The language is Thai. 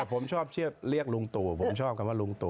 แต่ผมชอบเรียกรุงตุผมชอบคำว่ารุงตุ